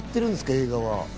映画は。